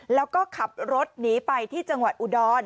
แล้วก็ขับรถหนีไปที่จังหวัดอุดร